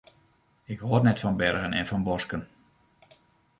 Ik hâld net fan bergen en fan bosken.